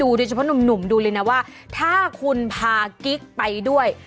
โดยเฉพาะหนุ่มดูเลยนะว่าถ้าคุณพากิ๊กไปด้วย